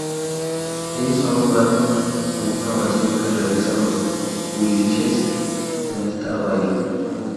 Ellos son nombrados en una oración que realizan los Huilliches en esta bahía.